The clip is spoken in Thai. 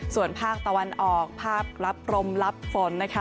ส่วนภาคตะวันออกภาพรับรมรับฝนนะคะ